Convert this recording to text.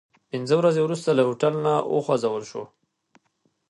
پنځه ورځې وروسته له هوټل نه وخوځول شوو.